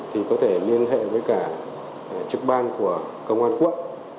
thì có thể liên hệ với cả trực ban của công an quận